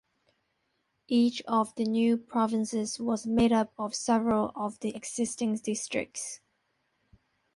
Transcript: Each of the new provinces was made up of several of the existing districts.